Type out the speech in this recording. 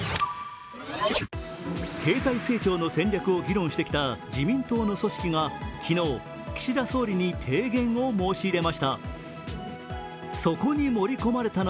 経済成長の戦略を議論してきた自民党の組織が昨日、岸田総理に提言を申し入れました。